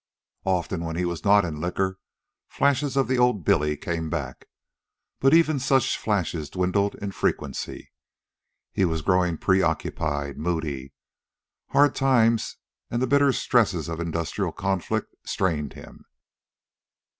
Often, when he was not in liquor, flashes of the old Billy came back, but even such flashes dwindled in frequency. He was growing preoccupied, moody. Hard times and the bitter stresses of industrial conflict strained him.